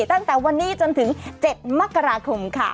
ตั้งแต่วันนี้จนถึง๗มกราคมค่ะ